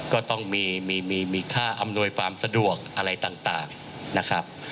ก็ต้องมีค่าอำนวยความสะดวกอะไรต่างนะครับ